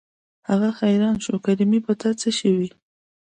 هغه حيران شو کریمې په تا څه شوي.